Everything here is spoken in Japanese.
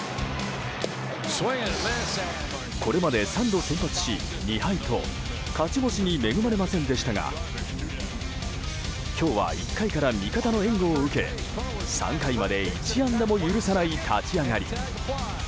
これまで３度先発し２敗と勝ち星に恵まれませんでしたが今日は１回から味方の援護を受け３回まで１安打も許さない立ち上がり。